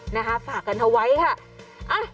นะฮะฝากกันไว้ค่ะ